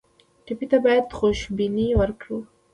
ټپي ته باید خوشبیني ورکړو.